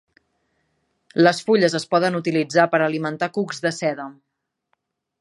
Les fulles es poden utilitzar per alimentar cucs de seda.